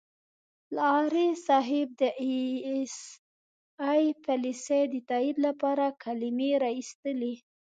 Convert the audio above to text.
لغاري صاحب د اى ايس اى پالیسۍ د تائید لپاره کلمې را اېستلې.